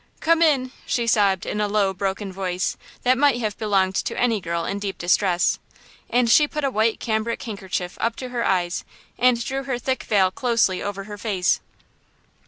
"Come in," she sobbed, in a low, broken voice, that might have belonged to any girl in deep distress, and she put a white cambric handkerchief up to her eyes and drew her thick veil closely over her face.